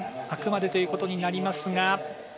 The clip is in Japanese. あくまでということになりますが。